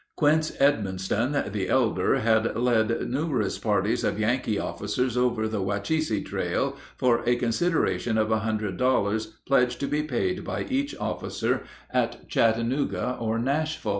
Quince Edmonston, the elder, had led numerous parties of Yankee officers over the Wacheesa trail for a consideration of a hundred dollars, pledged to be paid by each officer at Chattanooga or Nashville.